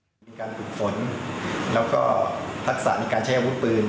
มีการฝึกฝนแล้วก็ทักษะในการใช้อาวุธปืน